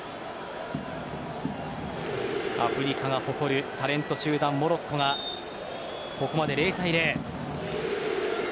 アフリカが誇るタレント集団モロッコがここまで０対０。